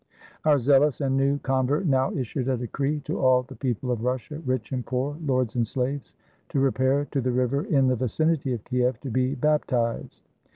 Our zealous and new convert now issued a decree to all the people of Russia, rich and poor, lords and slaves, to repair to the river in the vicinity of Kiev to be bap tized.